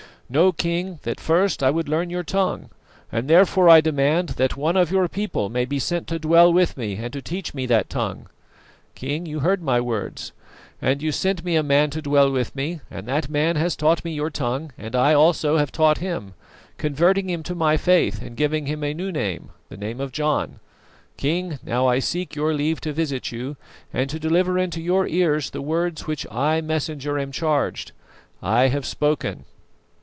Know, King, that first I would learn your tongue, and therefore I demand that one of your people may be sent to dwell with me and to teach me that tongue. King, you heard my words and you sent me a man to dwell with me, and that man has taught me your tongue, and I also have taught him, converting him to my faith and giving him a new name, the name of John. King, now I seek your leave to visit you, and to deliver into your ears the words with which I, Messenger, am charged. I have spoken."